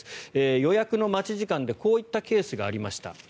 予約の待ち時間でこういったケースがありました。